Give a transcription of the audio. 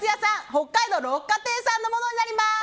北海道、六花亭さんのものになります。